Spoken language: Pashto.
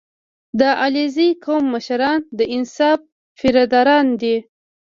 • د علیزي قوم مشران د انصاف طرفداران دي.